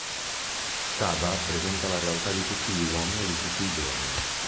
Saba presenta la realtà di tutti gli uomini e di tutti i giorni.